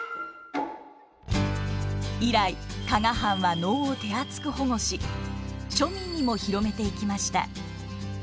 以来加賀藩は能を手厚く保護し庶民にも広めていきました。